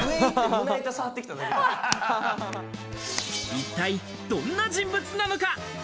一体どんな人物なのか？